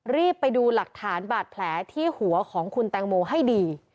รีบไปดูหลักฐานบาดแผลที่หัวของคุณแตงโมให้ดี